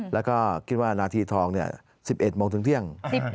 แล้วก็คิดว่านาทีทอง๑๑โมงถึงเที่ยง